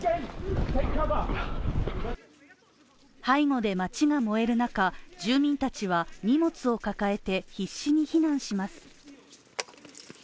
背後で街が燃える中、住民たちは荷物を抱えて必死に避難します。